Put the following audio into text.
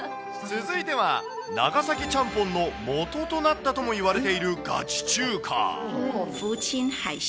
続いては、長崎ちゃんぽんのもととなったともいわれているガチ中華。